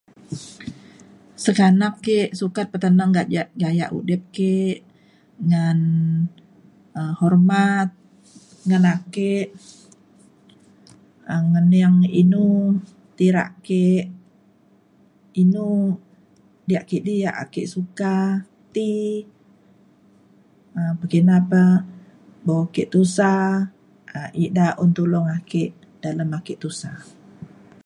sengkanak ik sukat peteneng gaya udip ik ngan um hormat ngan ake ngening inu ti dak ke inu diak kidi iak ake suka ti um pekina pe bo ake tusa um ida un tulung ake dalem ake tusa.